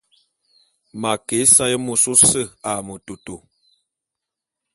M'a ke ésaé môs ôse a metôtô.